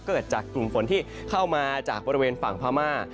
เกิดจากกลุ่มฝนที่เข้ามาจากบริเวณฝั่งพม่า